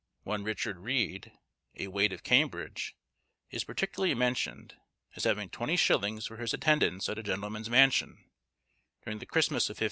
One Richard Reede, a wait of Cambridge, is particularly mentioned, as having 20_s._ for his attendance at a gentleman's mansion, during the Christmas of 1574.